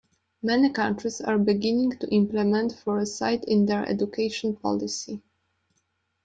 Many countries are beginning to implement Foresight in their Education policy.